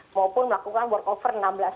maupun melakukan work over enam belas